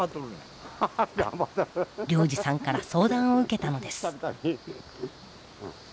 良治さんから相談を受けたのです。